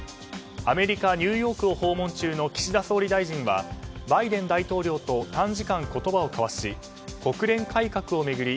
アメリカ・ニューヨークを訪問中の岸田総理大臣はバイデン大統領と短時間、言葉を交わし国連改革を巡り